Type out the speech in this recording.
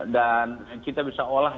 dan kita bisa olah